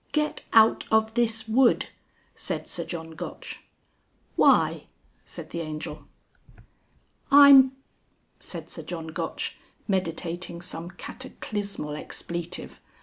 "Get out of this wood!" said Sir John Gotch. "Why?" said the Angel. "I'm ," said Sir John Gotch, meditating some cataclysmal expletive.